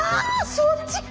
そっちか。